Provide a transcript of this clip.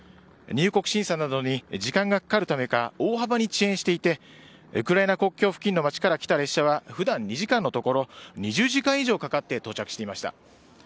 入国審査などに時間がかかるためか大幅に遅延していてウクライナ国境付近の町から来た列車は普段、２時間のところ２０時間以上かかって到着していました。